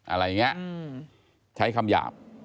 อะไรอย่างนี้ใช้คำหยาบ